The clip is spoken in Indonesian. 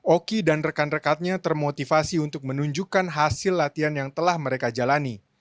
oki dan rekan rekannya termotivasi untuk menunjukkan hasil latihan yang telah mereka jalani